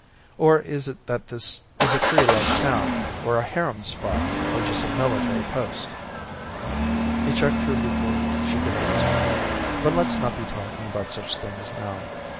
"Or is it that this is a free love town or a harem spot, or just a military post?" He checked her before she could answer. "But let's not be talking about such things now.